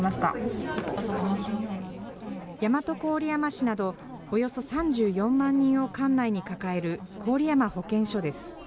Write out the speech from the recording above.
大和郡山市など、およそ３４万人を管内に抱える郡山保健所です。